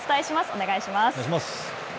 お願いします。